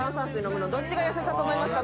どっちが痩せたと思いますか？